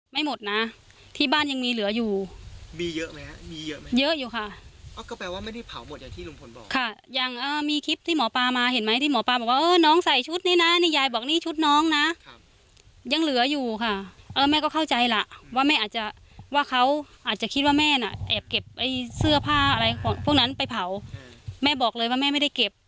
ไม่หมดนะที่บ้านยังมีเหลืออยู่มีเยอะไหมฮะมีเยอะไหมเยอะอยู่ค่ะก็แปลว่าไม่ได้เผาหมดอย่างที่ลุงพลบอกค่ะยังมีคลิปที่หมอปลามาเห็นไหมที่หมอปลาบอกว่าเออน้องใส่ชุดนี้นะนี่ยายบอกนี่ชุดน้องนะครับยังเหลืออยู่ค่ะเออแม่ก็เข้าใจล่ะว่าแม่อาจจะว่าเขาอาจจะคิดว่าแม่น่ะแอบเก็บไอ้เสื้อผ้าอะไรของพวกนั้นไปเผาแม่บอกเลยว่าแม่ไม่ได้เก็บ